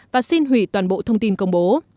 và xin hủy toàn bộ thông tin công bố